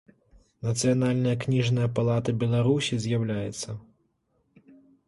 Нацыянальная кнiжная палата Беларусi з’яўляецца.